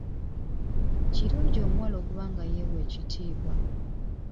Kirungi omuwala okuba nga yeewa ekitiibwa.